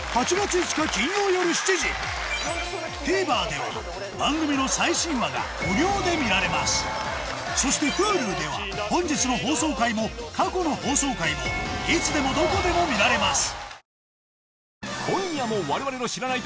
ＴＶｅｒでは番組の最新話が無料で見られますそしてＨｕｌｕでは本日の放送回も過去の放送回もいつでもどこでも見られます